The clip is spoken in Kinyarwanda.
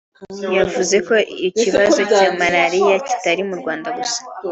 yavuze ko ikibazo cya Malariya kitari mu Rwanda gusa